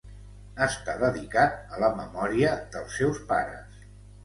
Està dedicat a la memòria dels seus pares.